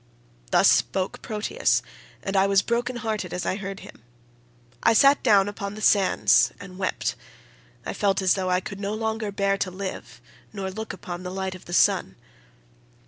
"Thus spoke Proteus, and I was broken hearted as I heard him. I sat down upon the sands and wept; I felt as though I could no longer bear to live nor look upon the light of the sun.